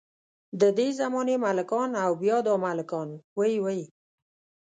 ددې زمانې ملکان او بیا دا ملکان وۍ وۍ.